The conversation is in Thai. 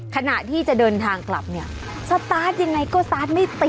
ขณะที่จะเดินทางกลับเนี่ยสตาร์ทยังไงก็สตาร์ทไม่ติด